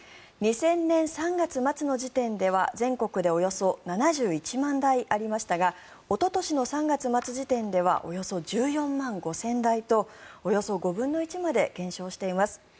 ２０００年３月末の時点では全国でおよそ７１万台ありましたがおととしの３月末時点ではおよそ１４万５０００台とおよそ５分の１まで減少しています。